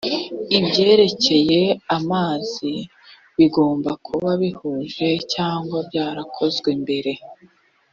ibyerekeye amazi bigomba kuba bihuje cyangwa byarakozwe mbere